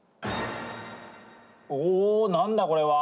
おなんだこれは。